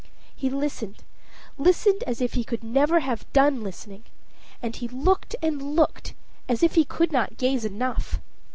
He listened, listened, as if he could never have done listening. And he looked and looked, as if he could not gaze enough.